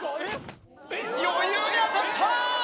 余裕で当たった！